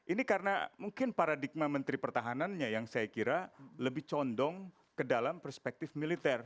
ini karena mungkin paradigma menteri pertahanannya yang saya kira lebih condong ke dalam perspektif militer